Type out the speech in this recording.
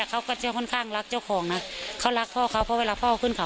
เขาก็จะค่อนข้างรักเจ้าของนะเขารักพ่อเขาเพราะเวลาพ่อขึ้นเขา